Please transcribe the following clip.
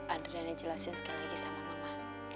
adriana jelasin sekali lagi sama mama